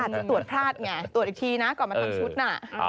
จะตรวจพลาดไงตรวจอีกทีนะก่อนมาทำชุดน่ะ